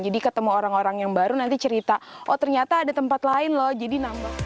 jadi ketemu orang orang yang baru nanti cerita oh ternyata ada tempat lain loh jadi nambah